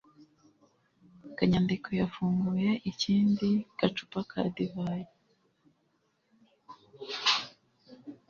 Kanyadekwe yafunguye ikindi gacupa ka divayi